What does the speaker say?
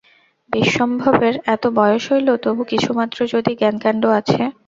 বিশ্বম্ভরের এত বয়স হইল, তবু কিছুমাত্র যদি জ্ঞানকাণ্ড আছে।